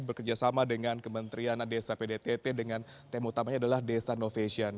bekerjasama dengan kementerian desa pdtt dengan tema utamanya adalah desa novation